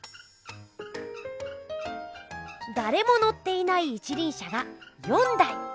だれものっていない一りん車が４だい。